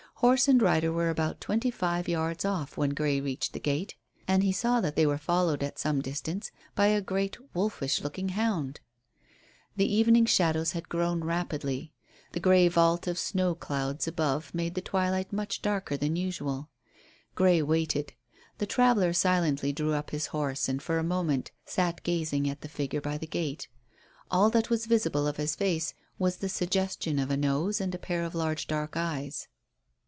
Horse and rider were about twenty five yards off when Grey reached the gate, and he saw that they were followed at some distance by a great wolfish looking hound. The evening shadows had grown rapidly. The grey vault of snow clouds above made the twilight much darker than usual. Grey waited. The traveller silently drew up his horse, and for a moment sat gazing at the figure by the gate. All that was visible of his face was the suggestion of a nose and a pair of large dark eyes.